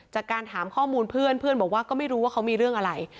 จากการถามข้อมูลเพื่อนเพื่อนบอกว่าก็ไม่รู้ว่าเขามีเรื่องอะไร